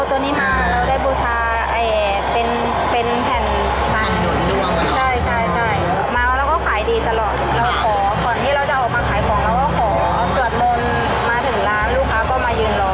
ส่วนบนมาถึงร้านลูกค้าก็มายืนรอ